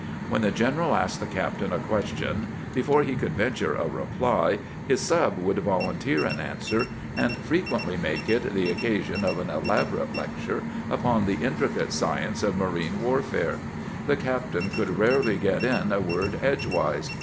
When the general asked the captain a question, before he could venture a reply his sub would volunteer an answer, and frequently make it the occa sion of an elaborate lecture upon the intricate science of marine warfare. The captain could rarely get in a word edgewise.